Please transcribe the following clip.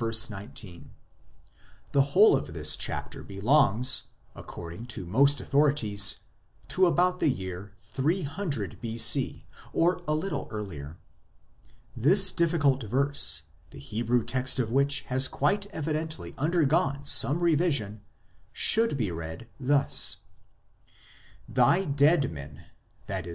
19 ; the whole of this chapter belongs, according to most authorities, to about the year 300 B.C. or a little earlier. This difficult verse, the Hebrew text of which has quite evidently undergone some revision, should be read thus :" Thy dead men [i.e.